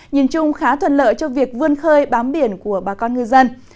nhìn chung khá thuần lợi cho việc vươn khơi bám biển của bà con người dân